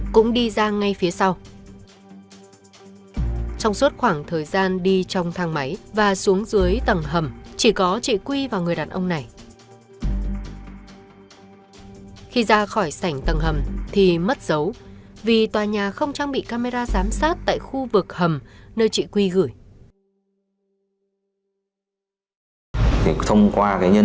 cơ quan điều tra nhận định sự mất tích của chị quy có liên quan đến người đàn ông kia với hai giả thuyết